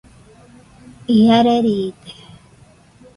Iare riide